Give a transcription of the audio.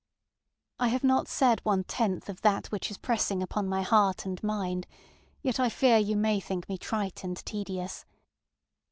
I have not said one tenth of that which is pressing upon my heart and mind, yet I fear you may think me trite and tedious.